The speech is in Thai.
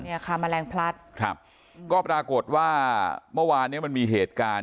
เนี่ยค่ะแมลงพลัดครับก็ปรากฏว่าเมื่อวานเนี้ยมันมีเหตุการณ์